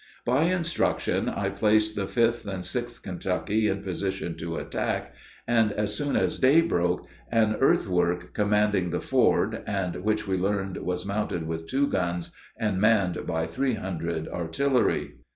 By instruction I placed the 5th and 6th Kentucky in position to attack, as soon as day broke, an earthwork commanding the ford, and which we learned was mounted with two guns and manned by three hundred infantry.